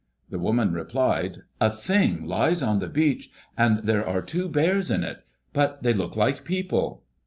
The woman replied, "A Thing lies on the beach. And there are two bears in it; but they look like people."